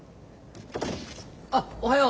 あっおはよう。